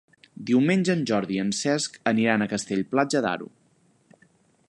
Diumenge en Jordi i en Cesc aniran a Castell-Platja d'Aro.